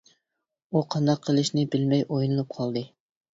ئۇ قانداق قىلىشىنى بىلمەي ئويلىنىپ قالدى.